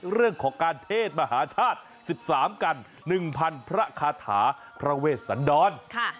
เรื่องของการเทศมหาชาติ๑๓กัน๑๐๐พระคาถาพระเวชสันดร